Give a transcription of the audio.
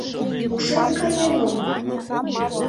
— Ушет каен мо!